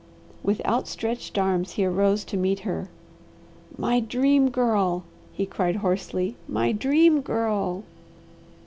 With outstretched arms he arose to meet her. "My Dream Girl!" he cried hoarsely. "My Dream Girl!"